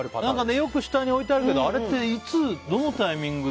よく下に置いてあるけどあれ、どのタイミングで。